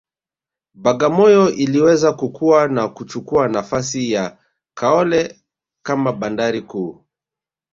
Bagamoyo iliweza kukua na kuchukua nafasi ya Kaole kama bandari kuu